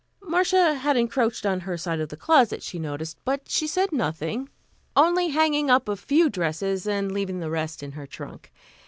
Marcia had encroached on her side of the closet, she noticed, but she said nothing, only hanging up a few dresses and leaving the rest in her trunk.